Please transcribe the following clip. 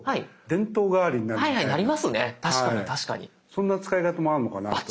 そんな使い方もあるのかなと。